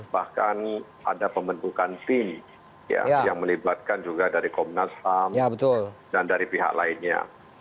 bahkan ada pembentukan tim yang melibatkan juga dari komnas ham dan dari pihak lainnya